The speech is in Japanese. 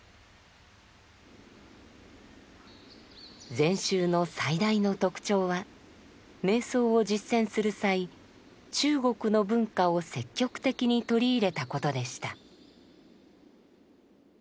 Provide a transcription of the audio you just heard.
禅宗の最大の特徴は瞑想を実践する際中国の文化を積極的に取り入れたことでした。